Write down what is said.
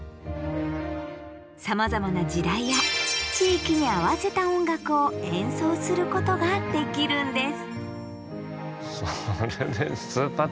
さまざまな時代や地域に合わせた音楽を演奏することができるんです。